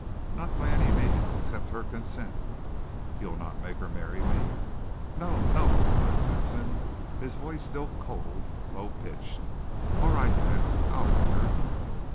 "Not by any means, except her consent." "You'll not make her marry me?" "No. No," replied Sampson, his voice still cold, low pitched. "All right. Then I'll make her."